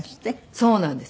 そうなんです。